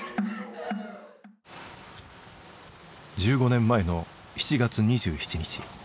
１５年前の７月２７日。